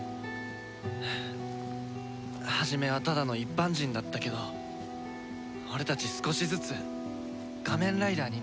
初めはただの一般人だったけど俺たち少しずつ仮面ライダーになれてるのかな？